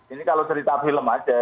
ini kalau cerita film aja